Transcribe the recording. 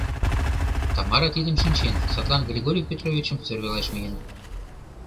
Тамара тидым шинчен, садлан Григорий Петровичым сӧрвалаш миен...